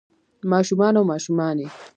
ما شومان او ماشومانے